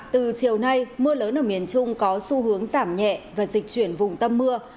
từ chiều nay mưa lớn ở miền trung có xu hướng giảm nhẹ và dịch chuyển vùng tâm mưa